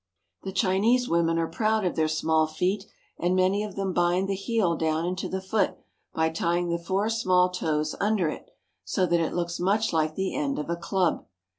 The Chinese women are proud of their small feet, and many of them bind the heel down into the foot by tying the four small toes under it, so that it looks much like the end of a club.